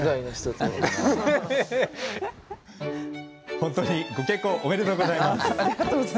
本当にご結婚おめでとうございます！